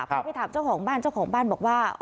พอไปถามเจ้าของบ้านเจ้าของบ้านบอกว่า